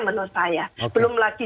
menurut saya belum lagi